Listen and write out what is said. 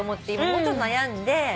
もうちょっと悩んで。